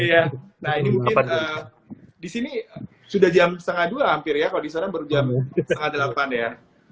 nah ini mungkin disini sudah jam setengah dua hampir ya kalau disana baru jam setengah delapan ya